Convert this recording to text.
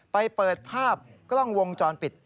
ไปเปิดภาพกล้องวงจรปิด